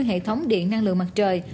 hệ thống điện năng lượng mặt trời